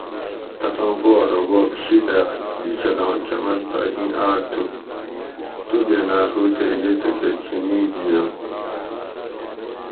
"تساں پو ارو ""بوب شیٹہ اِچھلاں کمبل تہ اِیں آک تھُو تُو گھناۤر ہُو تے یہ تھکہ کھۤنی گھییٔم"